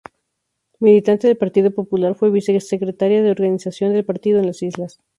Militante del Partido Popular, fue vicesecretaria de organización del partido en las Islas.